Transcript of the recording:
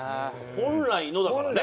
本来のだからね。